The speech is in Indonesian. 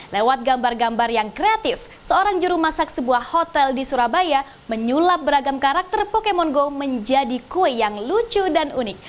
lewat gambar gambar yang kreatif seorang juru masak sebuah hotel di surabaya menyulap beragam karakter pokemon go menjadi kue yang lucu dan unik